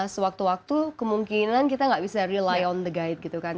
sewaktu waktu kemungkinan kita nggak bisa rely on the guide gitu kan